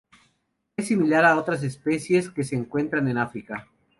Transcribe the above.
Es similar a otras especies que se encuentran en África.